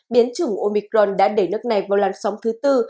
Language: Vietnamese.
biến chủng omicron đã đẩy nước này vào làn sóng thứ tư